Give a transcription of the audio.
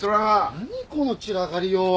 何この散らかりようは。